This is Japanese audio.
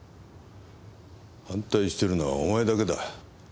反対してるのはお前だけだ。